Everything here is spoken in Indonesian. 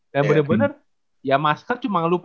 dan bener bener ya masker cuma lupa